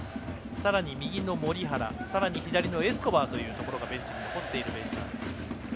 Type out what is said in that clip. さらに右の森原さらに左のエスコバーがベンチに残っているベイスターズ。